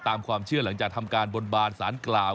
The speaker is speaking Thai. ตามความเชื่อหลังจากทำการบนบานสารกล่าว